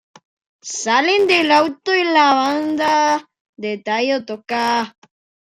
Salen del auto y la banda de Taio toca.